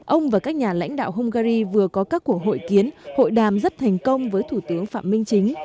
ông và các nhà lãnh đạo hungary vừa có các cuộc hội kiến hội đàm rất thành công với thủ tướng phạm minh chính